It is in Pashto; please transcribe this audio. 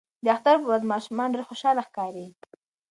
د اختر په ورځ ماشومان ډیر خوشاله ښکاري.